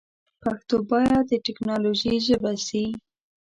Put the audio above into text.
پښتو باید د ټیکنالوژي ژبه سی.